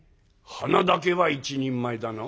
「鼻だけは一人前だな」。